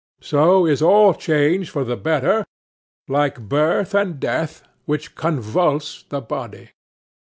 So is all change for the better, like birth and death which convulse the body.